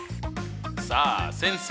さあ先生